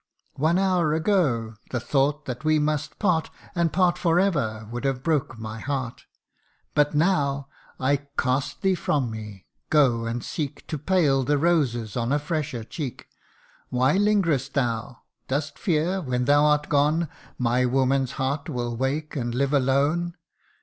One hour ago the thought that we must part, And part for ever, would have broke my heart : But now I cast thee from me ! Go and seek To pale the roses on a fresher cheek. Why lingerest thou ? Dost fear, when thou art gone, My woman's heart will wake, and live alone?